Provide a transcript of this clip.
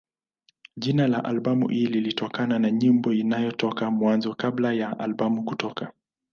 Jina la albamu hii lilitokana na nyimbo iliyotoka Mwanzo kabla ya albamu kutoka.